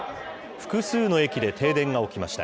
複数の駅で停電が起きました。